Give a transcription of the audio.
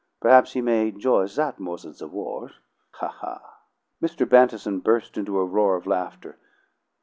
Perhaps he may enjoy that more than the wars. Ha, ha!" Mr. Bantison burst into a roar of laughter.